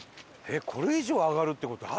これ以上上がるって事ある？